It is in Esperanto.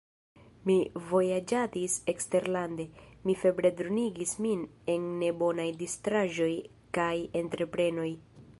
Mi vojaĝadis eksterlande; mi febre dronigis min en nebonaj distraĵoj kaj entreprenoj.